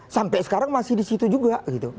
sampai sekarang masih di situ juga